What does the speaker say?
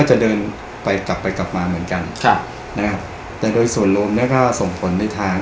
จะเดินไปกลับไปกลับมาเหมือนกันครับนะครับแต่โดยส่วนรวมเนี้ยก็ส่งผลในทาง